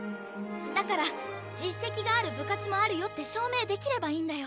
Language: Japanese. だから実績がある部活もあるよって証明できればいいんだよ。